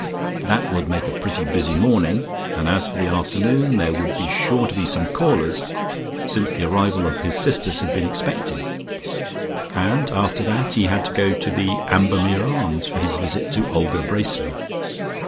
That would make a pretty busy morning, and as for the afternoon, there would be sure to be some callers, since the arrival of his sisters had been expected, and after that he had to go to the Ambermere Arms for his visit to Olga Bracely....